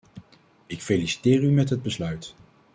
Ik feliciteer u met het besluit.